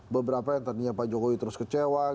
beberapa yang tadinya pak jokowi terus kecewa